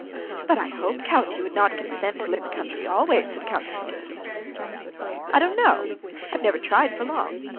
"But I hope, count, you would not consent to live in the country always," said Countess Nordston. "I don't know; I have never tried for long.